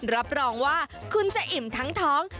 รับรองว่าคุณจะอิ่มทั้งท้อง